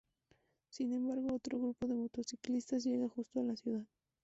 Sin embargo, otro grupo de motociclistas llega justo a la ciudad.